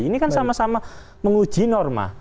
ini kan sama sama menguji norma